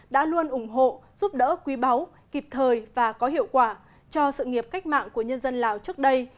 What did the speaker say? đã luôn ủng hộ giúp đỡ quý báu kịp thời và có hiệu quả cho sự nghiệp cách mạng của nhân dân lào trước đây